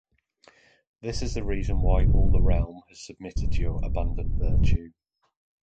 This is the reason why all the realm has submitted to your abundant virtue.